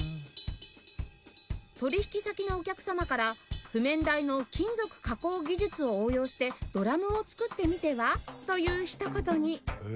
取引先のお客様から「譜面台の金属加工技術を応用してドラムを作ってみては？」という一言に